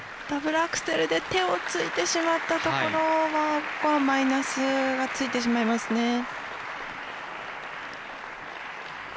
ダブルアクセルで手をついてしまったところはここはマイナスがついてしまいますね。